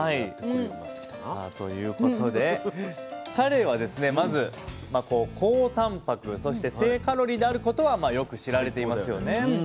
さあということでカレイはですねまず高たんぱくそして低カロリーであることはよく知られていますよね。